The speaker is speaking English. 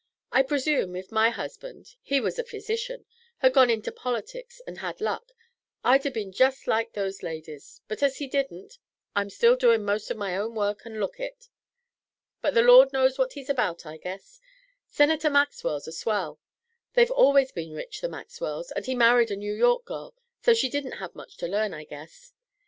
I presume if my husband he was a physician had gone into politics and had luck, I'd have been jest like those ladies; but as he didn't, I'm still doin' most of my own work and look it. But the Lord knows what he's about, I guess. Senator Maxwell's a swell; they've always been rich, the Maxwells, and he married a New York girl, so she didn't have much to learn, I guess.